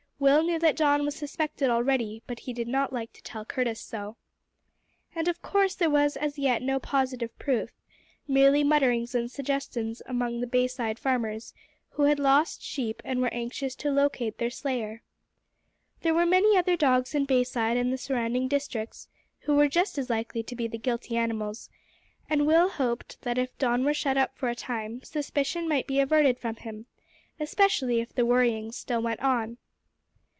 Will knew that Don was suspected already, but he did not like to tell Curtis so. And of course there was as yet no positive proof merely mutterings and suggestions among the Bayside farmers who had lost sheep and were anxious to locate their slayer. There were many other dogs in Bayside and the surrounding districts who were just as likely to be the guilty animals, and Will hoped that if Don were shut up for a time, suspicion might be averted from him, especially if the worryings still went on.